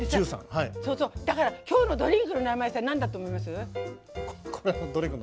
だからきょうのドリンクの名前なんだと思います？